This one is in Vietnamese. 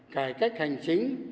cải cách hành chính